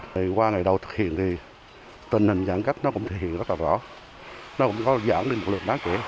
thì qua ngày đầu thực hiện thì tình hình giãn cách nó cũng thực hiện rất là rõ